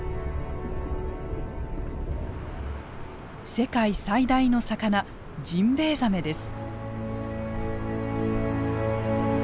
世界最大の魚ジンベエザメです。